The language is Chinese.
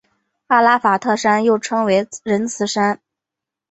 阿拉法特山又称为仁慈山。